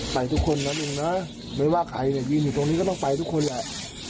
ไปทุกคนนะลุงนะไม่ว่าใครเนี่ยยืนอยู่ตรงนี้ก็ต้องไปทุกคนแหละ